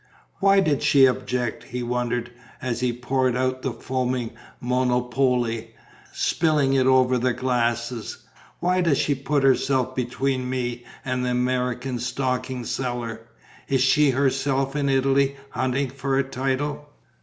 "Why did she object?" he wondered, as he poured out the foaming Monopole, spilling it over the glasses. "Why does she put herself between me and the American stocking seller? Is she herself in Italy hunting for a title?"